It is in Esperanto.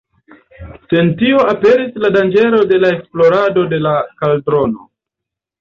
Sen tio aperis la danĝero de la eksplodo de la kaldrono.